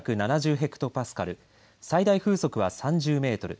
ヘクトパスカル最大風速は３０メートル